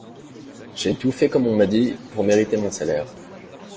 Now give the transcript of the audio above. J’ai tout fait comme on m’a dit pour mériter mon salaire.